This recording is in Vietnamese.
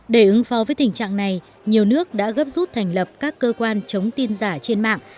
để ứng phó với tình trạng này nhiều nước đã gấp rút thành lập các cơ quan chống tin giả trên mạng